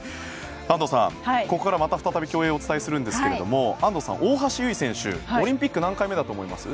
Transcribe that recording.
安藤さん、ここからまた再び共栄をお伝えするんですが大橋悠依選手オリンピック何回目だと思います？